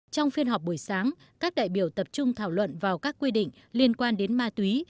trong phiên họp buổi sáng các đại biểu tập trung thảo luận vào các quy định liên quan đến ma túy